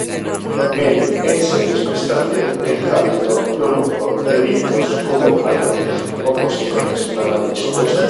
En ese mismo instante, el Cabildo promulgó edictos convocando oposiciones para dicho puesto.